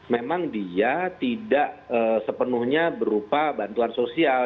memang dia tidak sepenuhnya berupa bantuan sosial